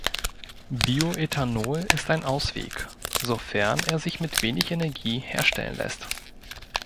Bioethanol ist ein Ausweg, sofern er sich mit wenig Energie herstellen lässt.